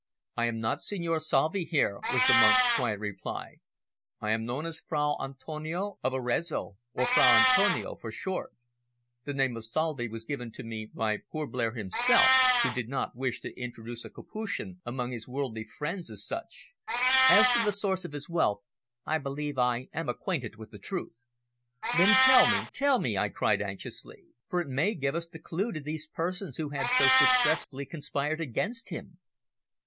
"I am not Signor Salvi here," was the monk's quiet reply. "I am known as Fra Antonio of Arezzo, or Fra Antonio for short. The name of Salvi was given to me by poor Blair himself, who did not wish to introduce a Capuchin among his worldly friends as such. As to the source of his wealth, I believe I am acquainted with the truth." "Then tell me, tell me!" I cried anxiously. "For it may give us the clue to these persons who had so successfully conspired against him."